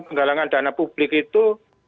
penggalangan dana publik itu